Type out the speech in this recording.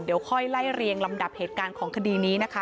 เดี๋ยวค่อยไล่เรียงลำดับเหตุการณ์ของคดีนี้นะคะ